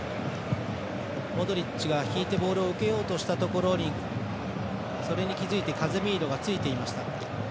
モドリッチが引いてボールを受けようとしたところにそれに気付いてカゼミーロがついていました。